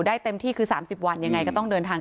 เต็มที่คือ๓๐วันยังไงก็ต้องเดินทาง